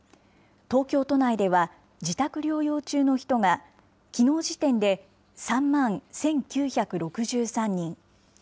東京都内では、自宅療養中の人が、きのう時点で３万１９６３人。